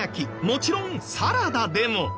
もちろんサラダでも。